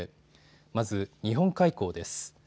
まず日本海溝です。